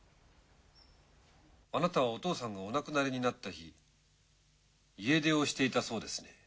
あなたはお父さんがお亡くなりになった日家出をしていたそうですね。